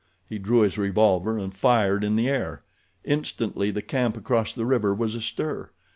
He drew his revolver and fired in the air. Instantly the camp across the river was astir.